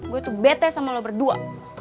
gue tuh bete sama lo berdua